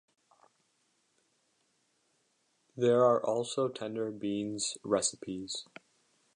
There are also tender beans recipes.